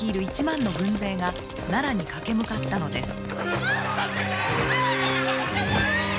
１万の軍勢が奈良に駆け向かったのです。